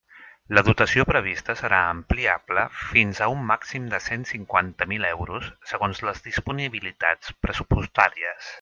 La dotació prevista serà ampliable fins a un màxim de cent cinquanta mil euros segons les disponibilitats pressupostàries.